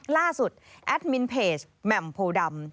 ล่าสุดแอดมินเพจแม่มโพดำ